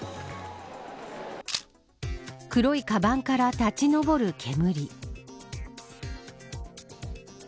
黒いかばんから立ち上る煙。